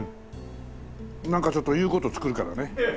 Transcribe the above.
なんかちょっと言う事作るからね。